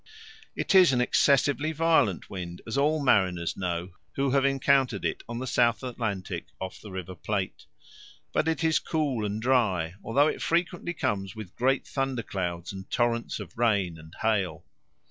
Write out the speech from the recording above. It is an excessively violent wind, as all mariners know who have encountered it on the South Atlantic off the River Plate, but it is cool and dry, although it frequently comes with great thunder clouds and torrents of rain and hail.